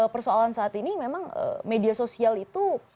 persoalan saat ini memang media sosial itu